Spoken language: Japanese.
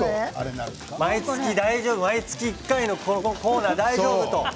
毎月１回のこのコーナー大丈夫なのか？と。